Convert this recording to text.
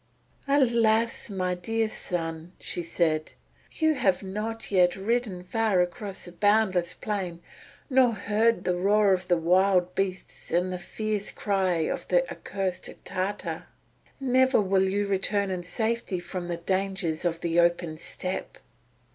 "Alas, my dear son," she said, "you have not yet ridden far across the boundless plain nor heard the roar of the wild beast and the fierce cry of the accursed Tatar. Never will you return in safety from the dangers of the open steppe.